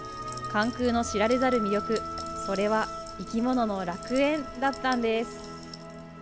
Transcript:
関空の知られざる魅力、それは、生き物の楽園だったんです。